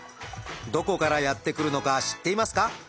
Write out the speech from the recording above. どこからやって来るのか知っていますか？